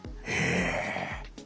え。